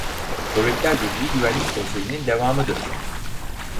Sovyetler Birliği Güvenlik Konseyinin devamıdır.